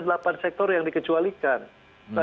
delapan sektor yang dikecualikan